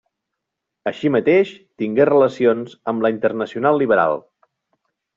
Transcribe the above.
Així mateix, tingué relacions amb la Internacional Liberal.